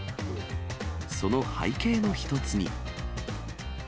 その背景の一つに。